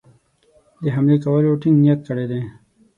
د حملې کولو ټینګ نیت کړی دی.